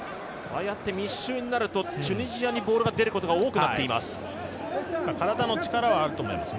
ああやって密集になるとチュニジアにボールが出ることが多くなっています。